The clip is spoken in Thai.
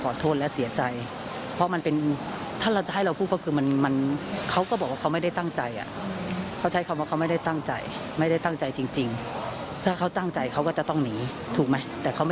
โดยไม่ได้ตั้งใจจริงถ้าเค้าตั้งใจเค้าก็จะต้องกว่านี้ทุกม่ะ